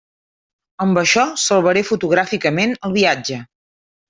Amb això salvaré fotogràficament el viatge.